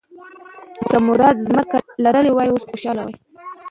که مراد ځمکه لرلی وای، اوس به خوشاله و.